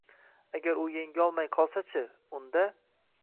Agar u yengolmay, qolsa-chi?.. Unda